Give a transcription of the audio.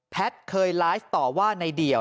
เคยไลฟ์ต่อว่าในเดี่ยว